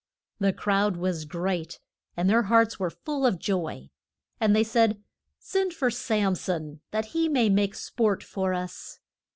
The crowd was great, and their hearts were full of joy. And they said, Send for Sam son that he may make sport for us.